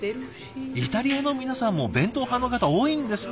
イタリアの皆さんも弁当派の方多いんですね。